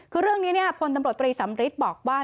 คือเรื่องนี้พลตำรวจตรีสำริทบอกว่า